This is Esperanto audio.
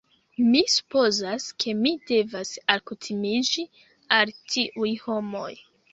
Mi supozas, ke mi devas alkutimiĝi al tiuj homoj